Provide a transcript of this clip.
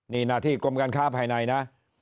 นี่หน้าที่กรมการค้าภายในนะ